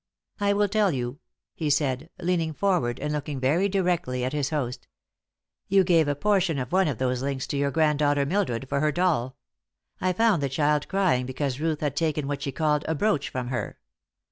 "I will tell you," he said, leaning forward and looking very directly at his host. "You gave a portion of one of those links to your granddaughter Mildred for her doll. I found the child crying because Ruth had taken what she called a 'brooch' from her.